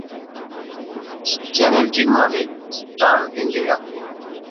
চ্যানেলটির মালিক 'star India'.